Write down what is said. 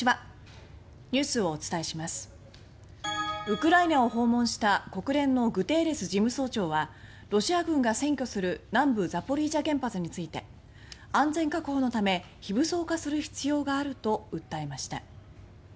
ウクライナを訪問した国連のグテーレス事務総長はロシア軍が占拠する南部・ザポリージャ原発について安全確保のため非武装化する必要があると訴えました。